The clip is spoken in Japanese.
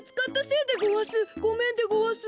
ごめんでごわす。